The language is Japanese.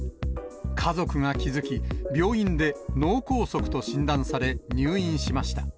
家族が気付き、病院で脳梗塞と診断され、入院しました。